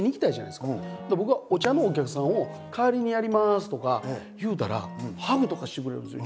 だから僕は「お茶のお客さんを代わりにやります」とか言うたらハグとかしてくれるんですよ。